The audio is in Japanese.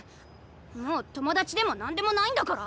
もう友達でもなんでもないんだから！